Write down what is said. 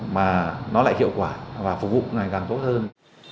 mà nó lại hiệu quả và phục vụ ngày càng tốt hơn